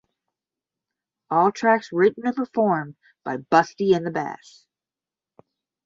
All tracks written and performed by Busty and the Bass.